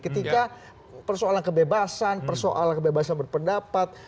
ketika persoalan kebebasan persoalan kebebasan berpendapat